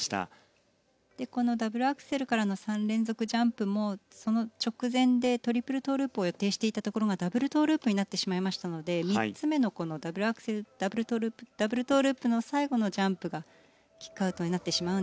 このダブルアクセルからの３連続ジャンプもその直前でトリプルトウループを予定していたところがダブルトウループになってしまいましたので３つ目のこのダブルアクセルダブルトウループの最後のジャンプがキックアウトになってしまうんですけれども。